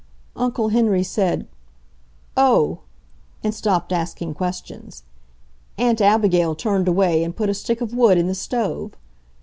Uncle Henry said, "Oh!" and stopped asking questions. Aunt Abigail turned away and put a stick of wood in the stove.